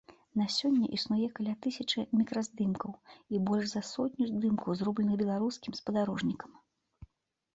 На сёння існуе каля тысячы мікраздымкаў і больш за сотню здымкаў, зробленых беларускім спадарожнікам.